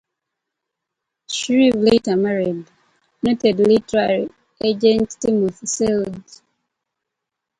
Shreve later married noted literary agent Timothy Seldes.